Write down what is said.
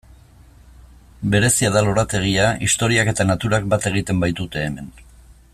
Berezia da lorategia, historiak eta naturak bat egiten baitute hemen.